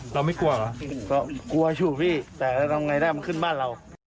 เราไม่กลัวเหรอก็กลัวอยู่พี่แต่ทำไงได้มันขึ้นบ้านเรา